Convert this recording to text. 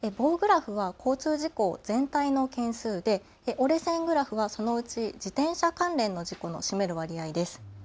棒グラフを交通事故全体の件数で折れ線グラフはそのうち自転車関連の事故の占める割合です。